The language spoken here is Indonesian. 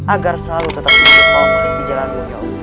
agar selalu tetap berubah di jalan mu ya allah